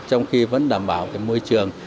trong khi vẫn đảm bảo cái môi trường